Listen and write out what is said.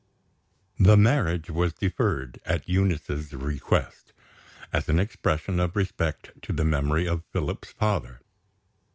The marriage was deferred, at Eunice's request, as an expression of respect to the memory of Philip's father.